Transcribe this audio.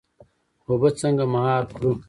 اوبه څنګه مهار کړو؟